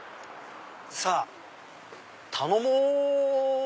さぁ頼もう！